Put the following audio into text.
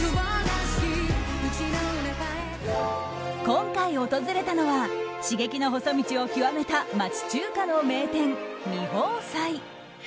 今回訪れたのは刺激の細道を極めた町中華の名店、味芳斎。